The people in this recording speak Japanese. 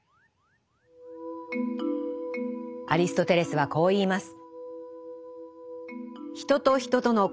アリストテレスはこう言います。